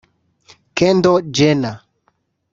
Kendall Jenner